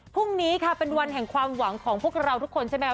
พรุ่งนี้ค่ะเป็นวันแห่งความหวังของพวกเราทุกคนใช่ไหม